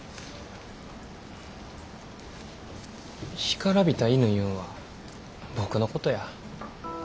干からびた犬いうんは僕のことや。